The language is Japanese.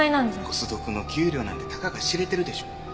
ポスドクの給料なんてたかが知れてるでしょ？